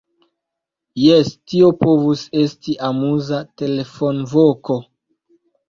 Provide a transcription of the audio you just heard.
Jes, tio povus esti amuza telefonvoko!